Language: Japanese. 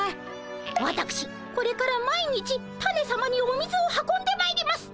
わたくしこれから毎日タネさまにお水を運んでまいります。